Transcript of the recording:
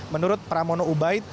menurut pramono ubaid